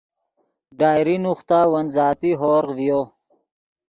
ڈائری نوختا ون ذاتی ہورغ ڤیو